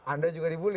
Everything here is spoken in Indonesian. anda juga dibully